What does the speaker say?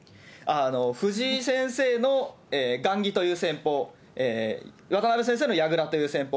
藤井先生の雁木という戦法、渡辺先生の矢倉という戦法。